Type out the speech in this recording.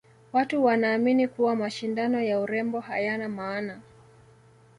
watu wanaamini kuwa mashindano ya urembo hayana maana